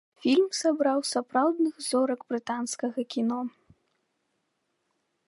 Фільм сабраў сапраўдных зорак брытанскага кіно.